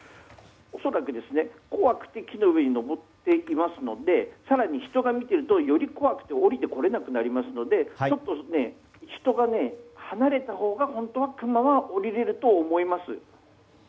恐らく、怖くて木の上に上っていますので更に人が見ているとより怖くて下りてこれなくなるのでちょっと人が離れたほうが本当はクマは下りれると思います。